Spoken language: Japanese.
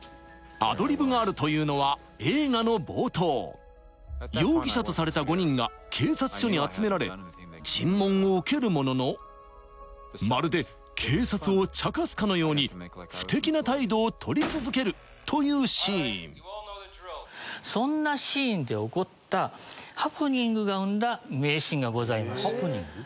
アドリブがあるというのは映画の冒頭容疑者とされた５人が警察署に集められ尋問を受けるもののまるで警察をちゃかすかのように不敵な態度を取り続けるというシーンそんなシーンで起こったハプニングが生んだ名シーンがございます。